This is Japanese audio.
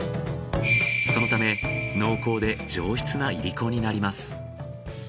そのため濃厚で上質ないりこになります。